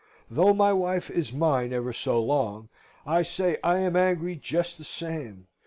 Though my wife is mine ever so long, I say I am angry just the same.